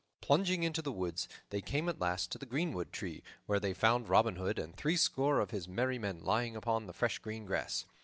Plunging into the woods, they came at last to the greenwood tree, where they found Robin Hood and threescore of his merry men lying upon the fresh green grass.